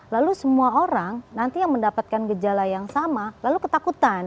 lalu semua orang nanti yang mendapatkan gejala yang sama lalu ketakutan